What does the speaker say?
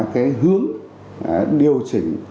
cái hướng điều chỉnh